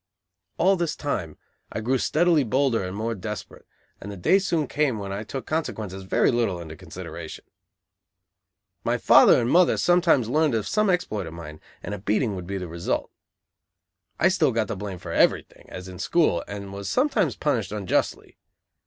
All this time I grew steadily bolder and more desperate, and the day soon came when I took consequences very little into consideration. My father and mother sometimes learned of some exploit of mine, and a beating would be the result. I still got the blame for everything, as in school, and was sometimes punished unjustly.